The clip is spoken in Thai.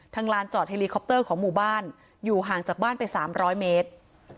ลานจอดเฮลีคอปเตอร์ของหมู่บ้านอยู่ห่างจากบ้านไป๓๐๐เมตร